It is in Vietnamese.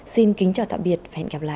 xin kính chào tạm biệt và hẹn gặp lại